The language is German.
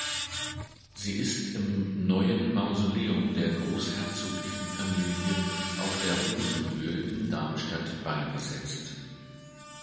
Sie ist im Neuen Mausoleum der großherzoglichen Familie auf der Rosenhöhe in Darmstadt beigesetzt.